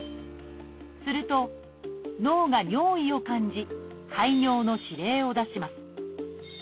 すると脳が尿意を感じ排尿の指令を出します。